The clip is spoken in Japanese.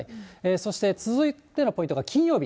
そして続いてのポイントが金曜日。